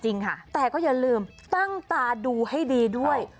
จริงค่ะแต่ก็อย่าลืมตั้งตาดูให้ดีด้วย